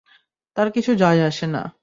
তার কিছু যায় আসে না।